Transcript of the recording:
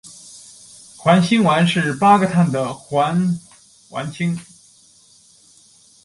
环辛烷是八个碳的环烷烃。